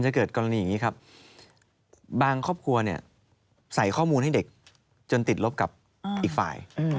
แล้วก็เด็กมีความสุขหรือเปล่า